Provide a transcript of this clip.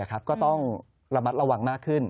ก็ต้องระมัดระวังมากขึ้น